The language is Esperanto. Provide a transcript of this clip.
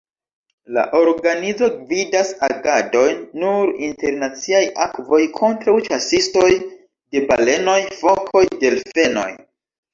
La organizo gvidas agadojn sur internaciaj akvoj kontraŭ ĉasistoj de balenoj, fokoj, delfenoj.